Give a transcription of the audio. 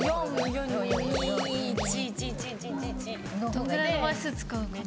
どんくらいの枚数使うかな？